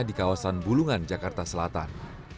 di kawasan bulungan jakarta selatan